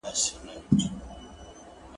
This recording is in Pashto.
• په باغ کي الو غيم، په کلي کي بِلرغو.